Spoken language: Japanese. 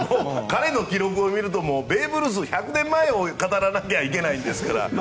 彼の記録を見るとベーブ・ルースの１００年前を語らなきゃいけないんですから。